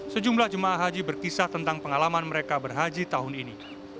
sejumlah jemaah haji berkisah tentang pengalaman mereka berhaji tahun ini